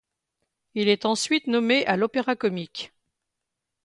Il est ensuite nommé à l'Opéra-Comique.